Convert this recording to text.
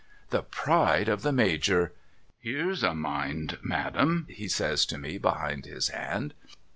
The pride of the Major I {'■ IL/t's a mind. Ma'am !' he says to me behind his hand.)